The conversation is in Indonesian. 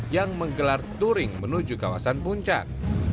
yang menggelar touring menuju kawasan puncak